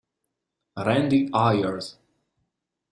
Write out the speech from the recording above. Randy Ayers